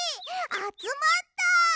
あつまった！